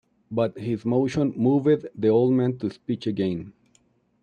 But his motion moved the old man to speech again.